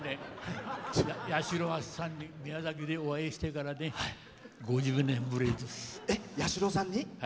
八代さんに宮崎でお会いしてからね５０年ぶりです。